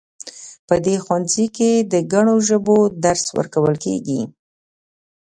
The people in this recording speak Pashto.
په دې ښوونځي کې د ګڼو ژبو درس ورکول کیږي